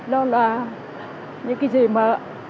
nó là những cái gì mà